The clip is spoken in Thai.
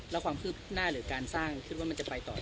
แล้วความคืบหน้าหรือการสร้างคิดว่ามันจะไปต่อ